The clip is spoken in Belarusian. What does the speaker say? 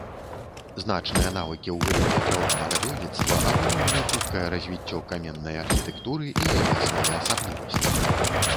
Значныя навыкі ў галіне драўлянага дойлідства абумовілі хуткае развіццё каменнай архітэктуры і яе своеасаблівасць.